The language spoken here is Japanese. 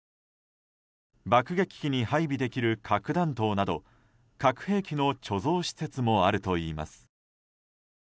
爆撃機に配備できる核弾頭など核兵器の貯蔵施設もあるといいます。